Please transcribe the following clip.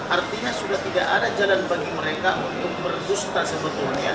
artinya sudah tidak ada jalan bagi mereka untuk meredusta sebetulnya